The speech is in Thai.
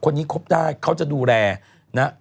คนนี้ครบได้เขาจะดูแลนะ